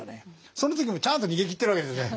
その時もちゃんと逃げきってるわけですね。